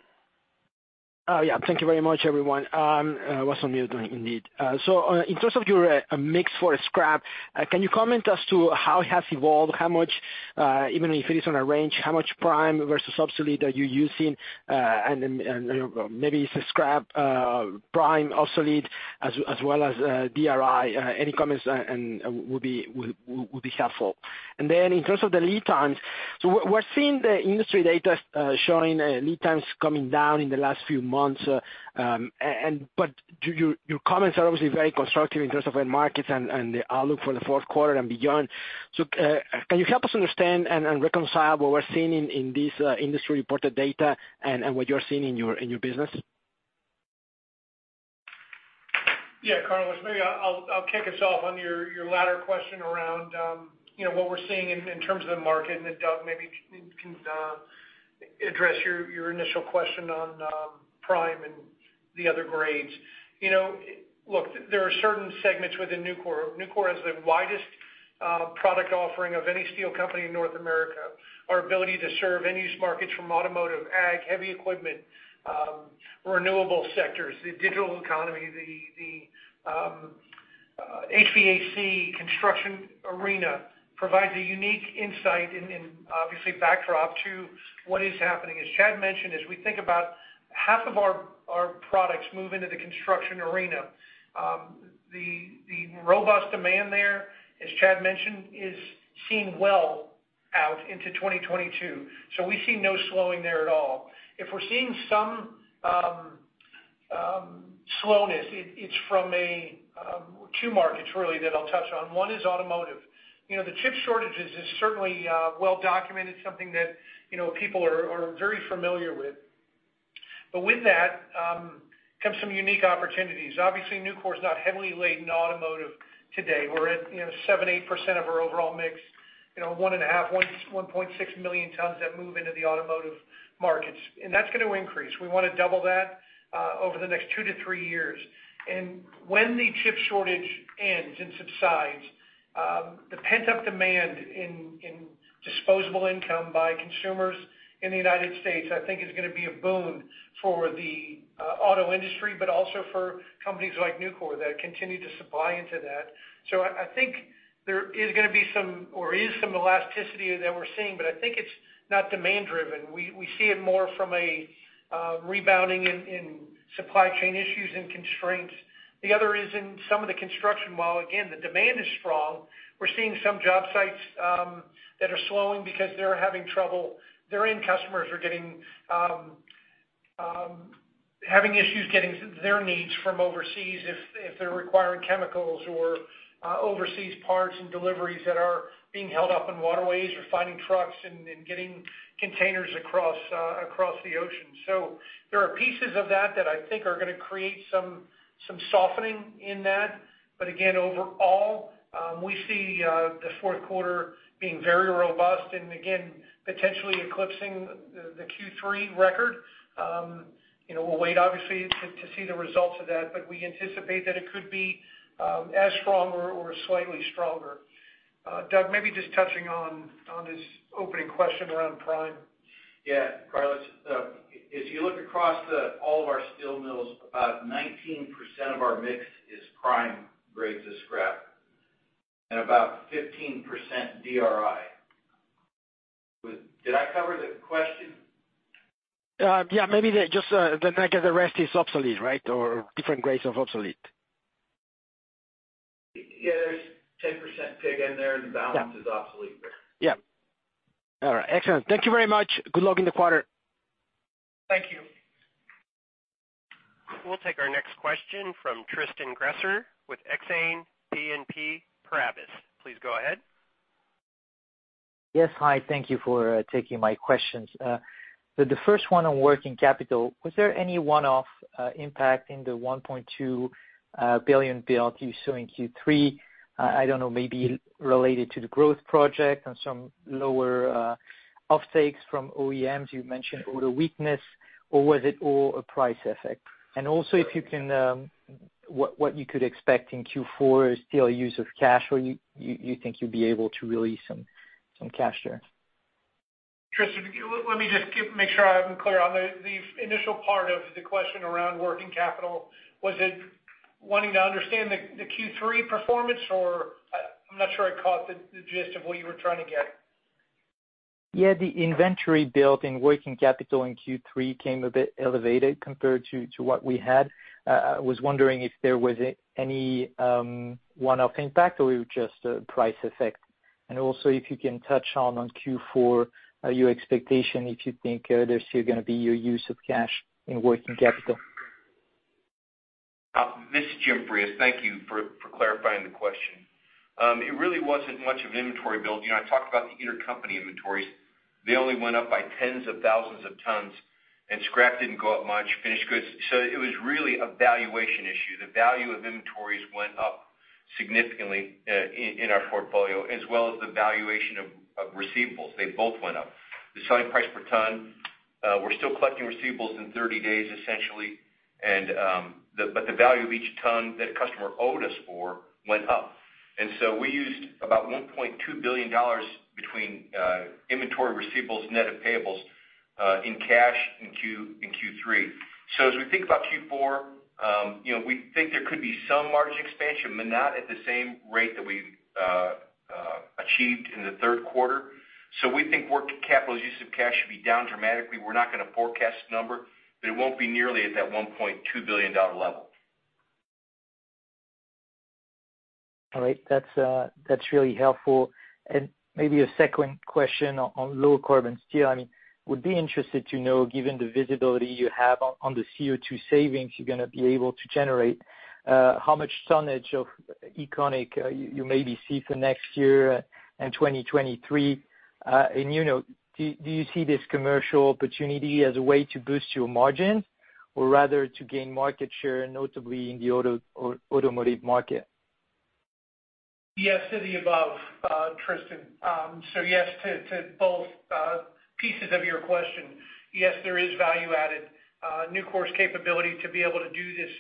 Oh, yeah. Thank you very much, everyone. I was on mute indeed. In terms of your mix for scrap, can you comment as to how it has evolved, how much, even if it is on a range, how much prime versus obsolete are you using? Maybe some scrap prime obsolete as well as DRI. Any comments would be helpful. In terms of the lead times, so we're seeing the industry data showing lead times coming down in the last few months. Your comments are obviously very constructive in terms of end markets and the outlook for the fourth quarter and beyond. Can you help us understand and reconcile what we're seeing in this industry-reported data and what you're seeing in your business? Yeah, Carlos de Alba, maybe I'll kick us off on your latter question around what we're seeing in terms of the market, Doug maybe can address your initial question on prime and the other grades. Look, there are certain segments within Nucor. Nucor has the widest product offering of any steel company in North America. Our ability to serve end-use markets from automotive, ag, heavy equipment, renewable sectors, the digital economy, the HVAC construction arena provides a unique insight and obviously backdrop to what is happening. As Chad Utermark mentioned, as we think about half of our products move into the construction arena. The robust demand there, as Chad Utermark mentioned, is seen well out into 2022. We see no slowing there at all. If we're seeing some slowness, it's from two markets really that I'll touch on. One is automotive. The chip shortage is certainly well documented, something that people are very familiar with. With that, comes some unique opportunities. Obviously, Nucor is not heavily laden in automotive today. We're at 7%, 8% of our overall mix. 1.5, 1.6 million tons that move into the automotive markets. That's going to increase. We want to double that over the next two to three years. When the chip shortage ends and subsides, the pent-up demand in disposable income by consumers in the U.S., I think is going to be a boon for the auto industry, but also for companies like Nucor that continue to supply into that. I think there is going to be some, or is some elasticity that we're seeing, but I think it's not demand driven. We see it more from a rebounding in supply chain issues and constraints. The other is in some of the construction, while again, the demand is strong, we're seeing some job sites that are slowing because they're having trouble. Their end customers are having issues getting their needs from overseas if they're requiring chemicals or overseas parts and deliveries that are being held up in waterways or finding trucks and getting containers across the ocean. There are pieces of that that I think are going to create some softening in that. Again, overall, we see the fourth quarter being very robust and again, potentially eclipsing the Q3 record. We'll wait obviously to see the results of that, but we anticipate that it could be as strong or slightly stronger. Doug, maybe just touching on this opening question around prime. Yeah. Carlos, if you look across all of our steel mills, about 19% of our mix is prime grades of scrap and about 15% DRI. Did I cover the question? Yeah, maybe just then I guess the rest is obsolete, right, or different grades of obsolete. Yeah, there's 10% pig in there, and the balance is obsolete. Yeah. All right. Excellent. Thank you very much. Good luck in the quarter. Thank you. We'll take our next question from Tristan Gresser with Exane BNP Paribas. Please go ahead. Yes. Hi, thank you for taking my questions. The first one on working capital, was there any one-off impact in the $1.2 billion build you show in Q3? I don't know, maybe related to the growth project and some lower off takes from OEMs. You mentioned order weakness or was it all a price effect? Also, what you could expect in Q4, steel use of cash, or you think you'll be able to release some cash there. Tristan, let me just make sure I'm clear on the initial part of the question around working capital. Was it wanting to understand the Q3 performance or I'm not sure I caught the gist of what you were trying to get at. Yeah, the inventory build in working capital in Q3 came a bit elevated compared to what we had. I was wondering if there was any one-off impact or it was just a price effect. Also, if you can touch on Q4, your expectation, if you think there's still going to be your use of cash in working capital. This is Jim Frias. Thank you for clarifying the question. It really wasn't much of an inventory build. I talked about the intercompany inventories. They only went up by tens of thousands of tons, and scrap didn't go up much, finished goods. It was really a valuation issue. The value of inventories went up significantly in our portfolio as well as the valuation of receivables. They both went up. The selling price per ton, we're still collecting receivables in 30 days, essentially, but the value of each ton that a customer owed us for went up. We used about $1.2 billion between inventory receivables, net of payables in cash in Q3. As we think about Q4, we think there could be some margin expansion, but not at the same rate that we achieved in the third quarter. We think working capital use of cash should be down dramatically. We're not going to forecast the number, but it won't be nearly at that $1.2 billion level. All right. That's really helpful. Maybe a second question on low carbon steel. I would be interested to know, given the visibility you have on the CO2 savings you're going to be able to generate, how much tonnage of Econiq you maybe see for next year and 2023. Do you see this commercial opportunity as a way to boost your margin or rather to gain market share, notably in the automotive market? Yes to the above, Tristan. Yes to both pieces of your question. Yes, there is value added. Nucor's capability to be able to do this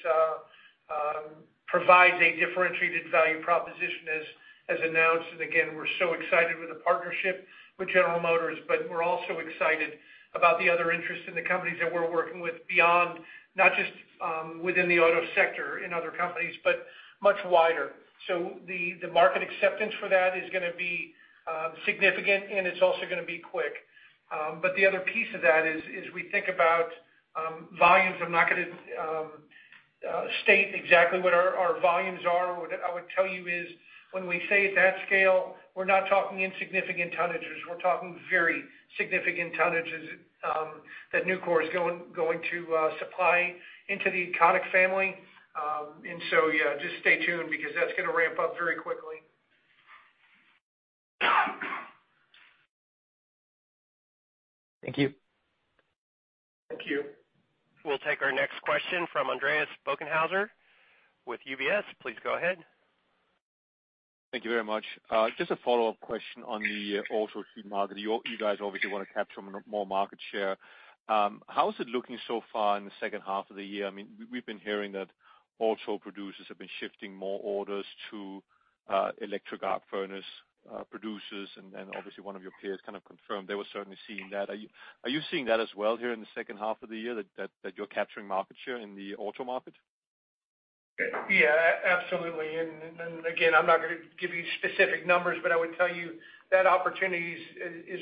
provides a differentiated value proposition as announced. Again, we're so excited with the partnership with General Motors, but we're also excited about the other interest in the companies that we're working with beyond not just within the auto sector in other companies, but much wider. The market acceptance for that is going to be significant and it's also going to be quick. The other piece of that is, as we think about volumes, I'm not going to state exactly what our volumes are. What I would tell you is when we say at that scale, we're not talking insignificant tonnages. We're talking very significant tonnages that Nucor is going to supply into the Econiq family. Yeah, just stay tuned because that's going to ramp up very quickly. Thank you. Thank you. We'll take our next question from Andreas Bokkenheuser with UBS. Please go ahead. Thank you very much. Just a follow-up question on the auto steel market. You guys obviously want to capture more market share. How is it looking so far in the second half of the year? We've been hearing that auto producers have been shifting more orders to electric arc furnace producers. Obviously one of your peers kind of confirmed they were certainly seeing that. Are you seeing that as well here in the second half of the year that you're capturing market share in the auto market? Yeah, absolutely. Again, I'm not going to give you specific numbers, but I would tell you that opportunity is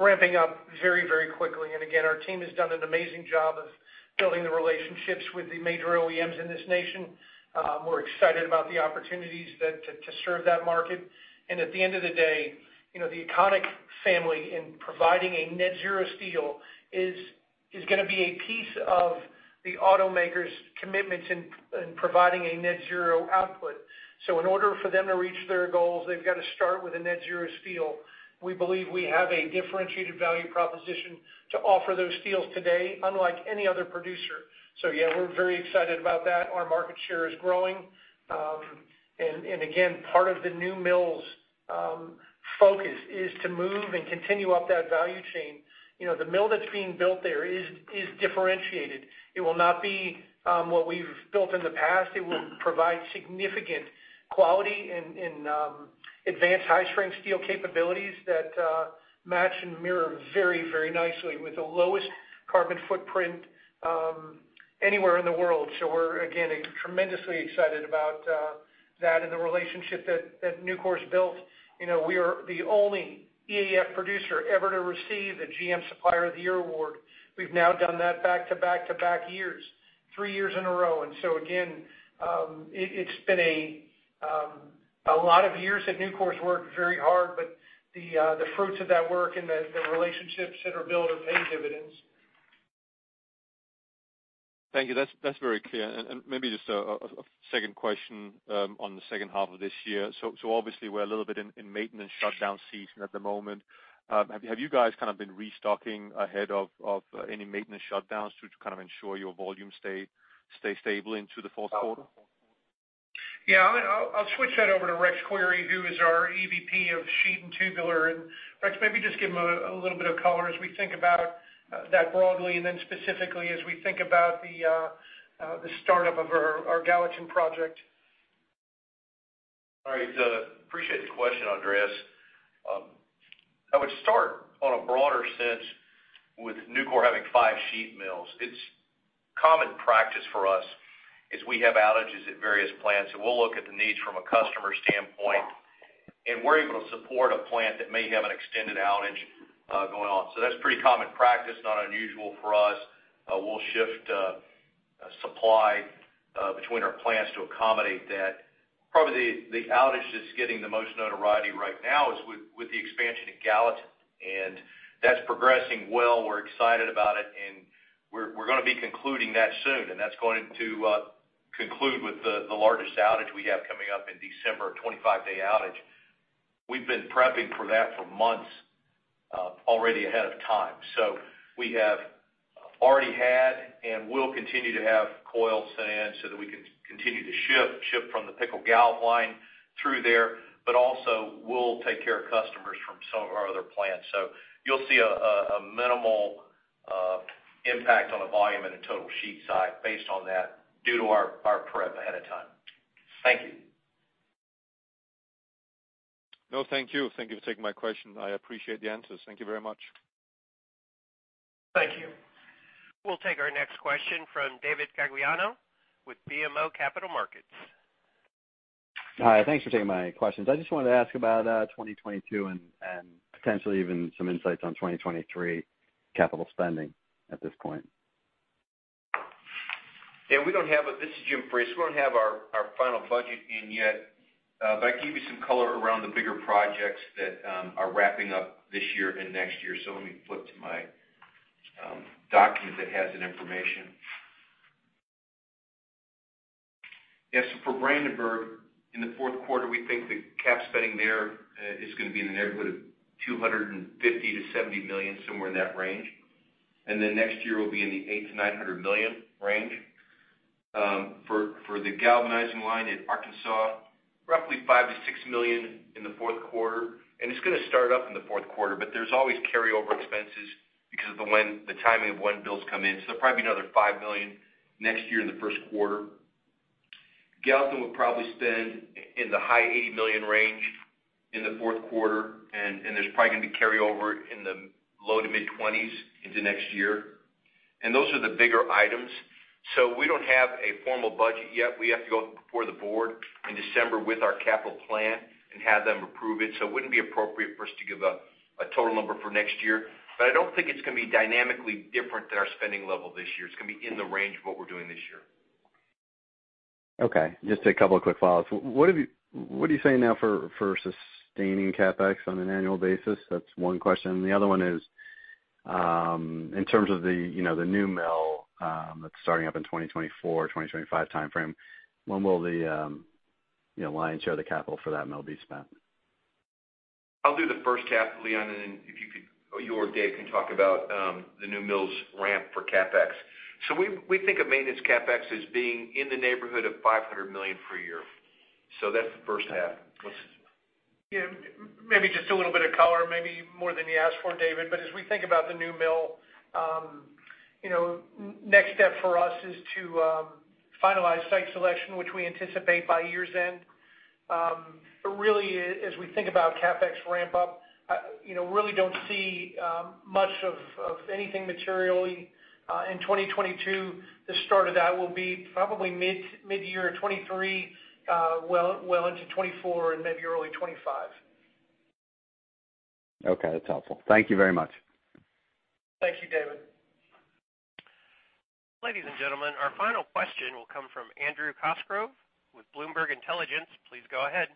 ramping up very quickly. Again, our team has done an amazing job of building the relationships with the major OEMs in this nation. We're excited about the opportunities to serve that market. At the end of the day, the Econiq family in providing a net-zero steel is going to be a piece of the automakers' commitments in providing a net-zero output. In order for them to reach their goals, they've got to start with a net-zero steel. We believe we have a differentiated value proposition to offer those steels today, unlike any other producer. Yeah, we're very excited about that. Our market share is growing. Again, part of the new mill's focus is to move and continue up that value chain. The mill that's being built there is differentiated. It will not be what we've built in the past. It will provide significant quality in advanced high-strength steel capabilities that match and mirror very nicely with the lowest carbon footprint anywhere in the world. We're, again, tremendously excited about that and the relationship that Nucor's built. We are the only EAF producer ever to receive a GM Supplier of the Year award. We've now done that back to back to back years three years in a row. Again, it's been a lot of years that Nucor's worked very hard, but the fruits of that work and the relationships that are built have paid dividends. Thank you. That's very clear. Maybe just a second question on the second half of this year. Obviously, we're a little bit in maintenance shutdown season at the moment. Have you guys kind of been restocking ahead of any maintenance shutdowns to kind of ensure your volume stay stable into the fourth quarter? Yeah, I'll switch that over to Rex Query, who is our EVP of Sheet and Tubular. Rex, maybe just give him a little bit of color as we think about that broadly, and then specifically as we think about the startup of our Gallatin project. All right. Appreciate the question, Andreas. I would start on a broader sense with Nucor having five sheet mills. It's common practice for us, is we have outages at various plants, and we'll look at the needs from a customer standpoint, and we're able to support a plant that may have an extended outage going on. That's pretty common practice, not unusual for us. We'll shift supply between our plants to accommodate that. Probably the outage that's getting the most notoriety right now is with the expansion in Gallatin, and that's progressing well. We're excited about it, and we're going to be concluding that soon. That's going to conclude with the largest outage we have coming up in December, a 25-day outage. We've been prepping for that for months already ahead of time. We have already had, and will continue to have coil sent in so that we can continue to ship from the pickle galv line through there, also we'll take care of customers from some of our other plants. You'll see a minimal impact on the volume and the total sheet side based on that due to our prep ahead of time. Thank you. No, thank you. Thank you for taking my question. I appreciate the answers. Thank you very much. Thank you. We'll take our next question from David Gagliano with BMO Capital Markets. Hi, thanks for taking my questions. I just wanted to ask about 2022 and potentially even some insights on 2023 capital spending at this point. Yeah, this is Jim Frias. We don't have our final budget in yet. I can give you some color around the bigger projects that are wrapping up this year and next year. Let me flip to my document that has that information. For Brandenburg, in the fourth quarter, we think the CapEx spending there is going to be in the neighborhood of $250 million-$70 million, somewhere in that range. Next year, we'll be in the $800 million-$900 million range. For the galvanizing line in Arkansas, roughly $5 million-$6 million in the fourth quarter. It's going to start up in the fourth quarter, but there's always carryover expenses because of the timing of when bills come in. Probably another $5 million next year in the first quarter. Gallatin will probably spend in the high $80 million range in the fourth quarter, and there's probably going to be carryover in the low to mid-$20s into next year. Those are the bigger items. We don't have a formal budget yet. We have to go before the board in December with our capital plan and have them approve it, so it wouldn't be appropriate for us to give a total number for next year. I don't think it's going to be dynamically different than our spending level this year. It's going to be in the range of what we're doing this year. Okay, just two quick follows. What are you saying now for sustaining CapEx on an annual basis? That's one question. The other one is, in terms of the new mill that's starting up in 2024-2025 timeframe, when will the lion's share of the capital for that mill be spent? I'll do the first half, Leon, and then if you or Dave can talk about the new mill's ramp for CapEx. We think of maintenance CapEx as being in the neighborhood of $500 million per year. That's the first half. Yeah, maybe just a little bit of color, maybe more than you asked for, David. As we think about the new mill, next step for us is to finalize site selection, which we anticipate by year's end. Really, as we think about CapEx ramp up, really don't see much of anything materially in 2022. The start of that will be probably mid-year 2023, well into 2024, and maybe early 2025. Okay, that's helpful. Thank you very much. Thank you, David. Ladies and gentlemen, our final question will come from Andrew Cosgrove with Bloomberg Intelligence. Please go ahead.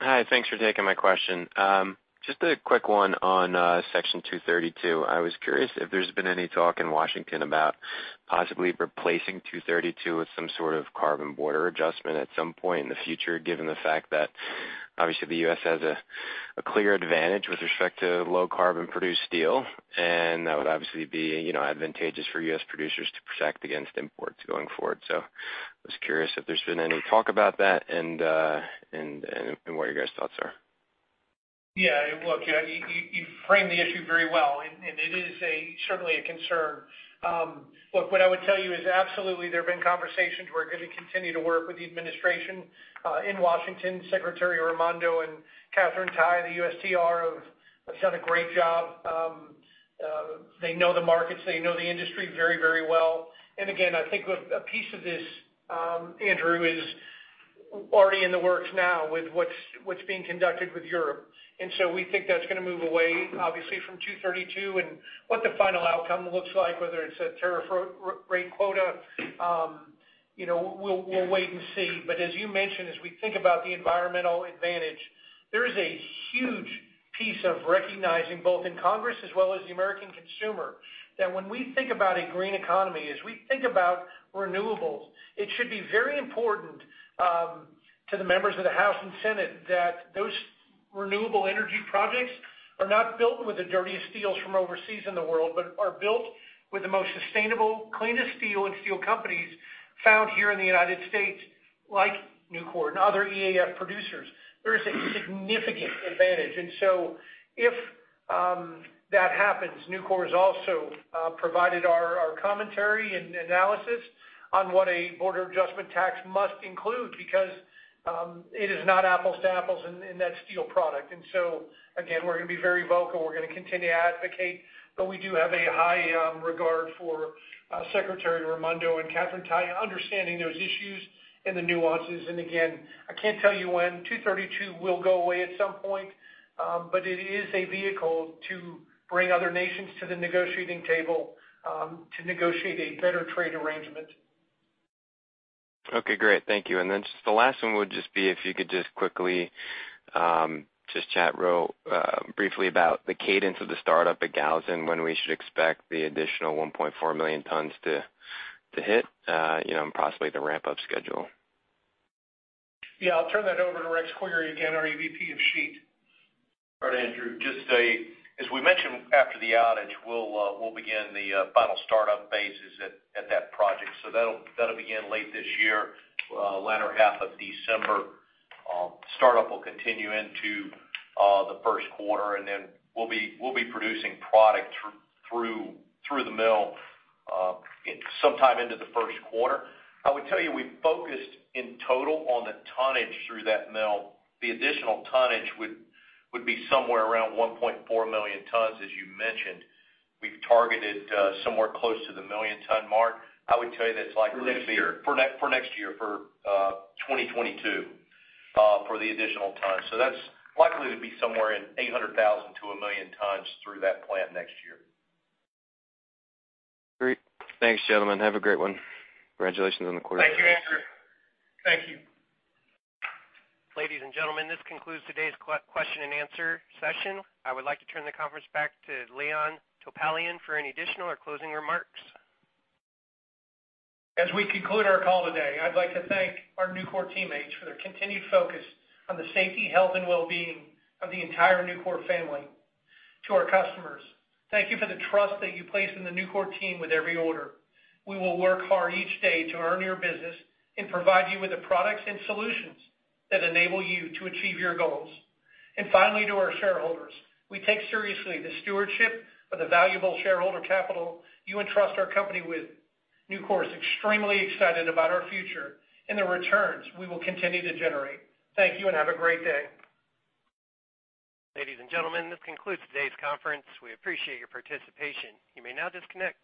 Hi. Thanks for taking my question. Just a quick one on Section 232. I was curious if there's been any talk in Washington about possibly replacing 232 with some sort of Carbon Border Adjustment at some point in the future, given the fact that obviously the U.S. has a clear advantage with respect to low carbon produced steel, and that would obviously be advantageous for U.S. producers to protect against imports going forward. I was curious if there's been any talk about that and what your guys' thoughts are. Yeah, look, you framed the issue very well, and it is certainly a concern. Look, what I would tell you is absolutely there have been conversations. We're going to continue to work with the administration in Washington. Secretary Raimondo and Katherine Tai, the USTR, have done a great job. They know the markets. They know the industry very, very well. Again, I think a piece of this, Andrew, is already in the works now with what's being conducted with Europe. So we think that's going to move away, obviously, from 232 and what the final outcome looks like, whether it's a tariff-rate quota, we'll wait and see. As you mentioned, as we think about the environmental advantage, there is a huge piece of recognizing, both in Congress as well as the American consumer, that when we think about a green economy, as we think about renewables, it should be very important to the members of the House and Senate that those renewable energy projects are not built with the dirtiest steels from overseas in the world, but are built with the most sustainable, cleanest steel and steel companies found here in the United States, like Nucor and other EAF producers. There is a significant advantage. If that happens, Nucor has also provided our commentary and analysis on what a border adjustment tax must include because it is not apples to apples in that steel product. Again, we're going to be very vocal. We're going to continue to advocate, but we do have a high regard for Secretary Raimondo and Katherine Tai understanding those issues and the nuances. Again, I can't tell you when 232 will go away at some point, but it is a vehicle to bring other nations to the negotiating table to negotiate a better trade arrangement. Okay, great. Thank you. Just the last one would just be if you could just quickly chat briefly about the cadence of the startup at Gallatin, when we should expect the additional 1.4 million tons to hit, and possibly the ramp-up schedule. Yeah. I'll turn that over to Rex Query again, our EVP of Sheet. All right, Andrew, just as we mentioned after the outage, we'll begin the final startup phases at that project. That'll begin late this year, latter half of December. Startup will continue into the 1st quarter, and then we'll be producing product through the mill sometime into the 1st quarter. I would tell you, we focused in total on the tonnage through that mill. The additional tonnage would be somewhere around 1.4 million tons, as you mentioned. We've targeted somewhere close to the million-ton mark. I would tell you that's likely to be. For next year. For next year, for 2022, for the additional tons. That's likely to be somewhere in 800,000-1 million tons through that plant next year. Great. Thanks, gentlemen. Have a great one. Congratulations on the quarter. Thank you, Andrew. Thank you. Ladies and gentlemen, this concludes today's question and answer session. I would like to turn the conference back to Leon Topalian for any additional or closing remarks. As we conclude our call today, I'd like to thank our Nucor teammates for their continued focus on the safety, health, and well-being of the entire Nucor family. To our customers, thank you for the trust that you place in the Nucor team with every order. We will work hard each day to earn your business and provide you with the products and solutions that enable you to achieve your goals. Finally, to our shareholders, we take seriously the stewardship of the valuable shareholder capital you entrust our company with. Nucor is extremely excited about our future and the returns we will continue to generate. Thank you and have a great day. Ladies and gentlemen, this concludes today's conference. We appreciate your participation. You may now disconnect.